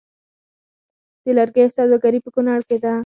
د لرګیو سوداګري په کنړ کې ده